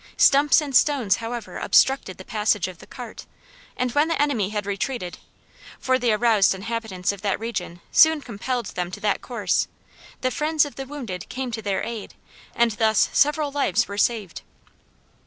Stumps and stones however obstructed the passage of the cart, and when the enemy had retreated for the aroused inhabitants of that region soon compelled them to that course the friends of the wounded came to their aid, and thus several lives were saved.